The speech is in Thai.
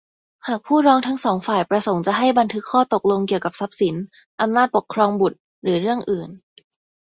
หากผู้ร้องทั้ง สอง ฝ่ายประสงค์จะให้บันทึกข้อตกลงเกี่ยวกับทรัพย์สิน อำนาจปกครองบุตร หรือเรื่องอื่น